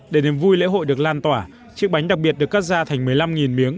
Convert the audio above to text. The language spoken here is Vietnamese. để niềm vui lễ hội được lan tỏa chiếc bánh đặc biệt được cắt ra thành một mươi năm miếng